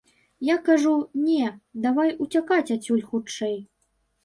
Я кажу, не, давай уцякаць адсюль хутчэй.